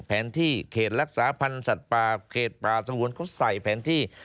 แผนที่เขตรักษาพันธ์สัตว์ป่าเขตป่าสงวนเขาใส่แผนที่